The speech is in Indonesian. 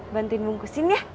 bantuin bungkusin ya